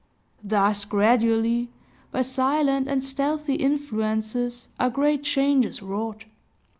Thus gradually, by silent and stealthy influences, are great changes wrought.